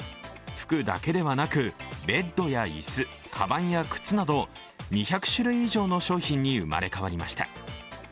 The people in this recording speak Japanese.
服だけではなく、ベッドや椅子、かばんや靴など２００種類以上の商品に生まれ変わりました。